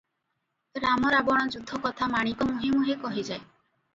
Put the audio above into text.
ରାମ ରାବଣ ଯୁଦ୍ଧ କଥା ମାଣିକ ମୁହେଁ ମୁହେଁ କହିଯାଏ ।